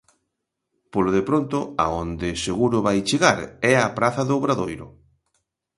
Polo de pronto a onde seguro vai chegar é á praza do Obradoiro.